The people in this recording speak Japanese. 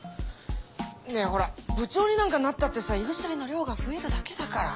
ねえほら部長になんかなったってさ胃薬の量が増えるだけだから。